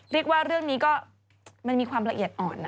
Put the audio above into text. เรียกว่าเรื่องนี้ก็มันมีความละเอียดอ่อนนะ